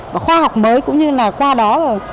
và khoa học mới cũng như là qua đó